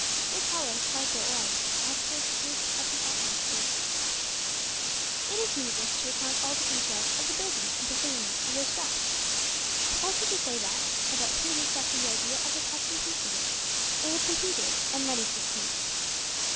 This hollow, slight though it was, afterwards proved of the utmost service. It is needless to recount all the details of the building and provisioning of this raft. Suffice it to say that, about three weeks after the idea of it had been conceived, it was completed and ready for sea.